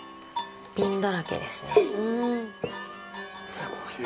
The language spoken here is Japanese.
すごいな。